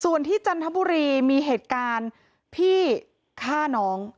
ส่วนที่จันทบุรีมีเหตุการณ์พี่ฆ่าน้อง